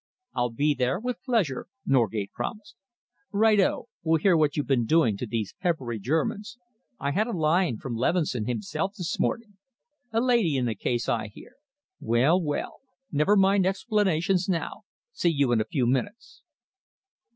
"I'll be there, with pleasure," Norgate promised. "Righto! We'll hear what you've been doing to these peppery Germans. I had a line from Leveson himself this morning. A lady in the case, I hear? Well, well! Never mind explanations now. See you in a few minutes."